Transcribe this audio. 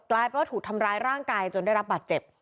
กลายเป็นว่าถูกทำร้ายร่างกายจนได้รับบาดเจ็บ